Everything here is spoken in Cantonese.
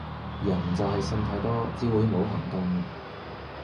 人就係呻太多至會冇行動